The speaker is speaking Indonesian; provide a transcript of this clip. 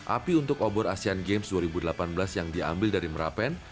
api untuk obor asean games dua ribu delapan belas yang diambil dari merapen